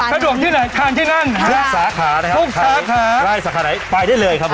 สะดวกที่ไหนทานที่นั่นทุกสาขานะครับทุกสาขาได้สาขาไหนไปได้เลยครับ